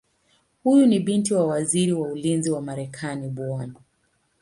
Huyu ni binti wa Waziri wa Ulinzi wa Marekani Bw.